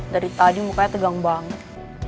dari tadi mukanya tegang banget